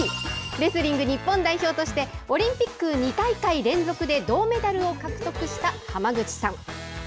レスリング日本代表として、オリンピック２大会連続で銅メダルを獲得した浜口さん。